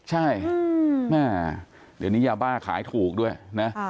ใช่แม่เดี๋ยวนี้ยาบ้าขายถูกด้วยนะ